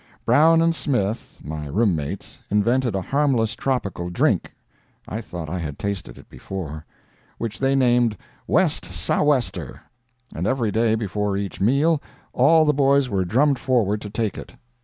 Brown and Smith (my room mates) invented a harmless tropical drink (I thought I had tasted it before) which they named "west sou' wester;" and every day, before each meal, all the boys were drummed forward to take it.